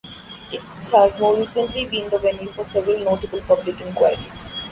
It has more recently been the venue for several notable public enquiries.